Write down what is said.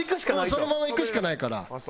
もうそのままいくしかないから。